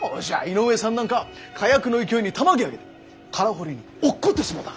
井上さんなんか火薬の勢いにたまげあげて空濠に落っこってしもうた。